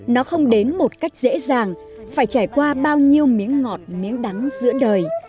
nó không đến một cách dễ dàng phải trải qua bao nhiêu miếng ngọt miếng đắng giữa đời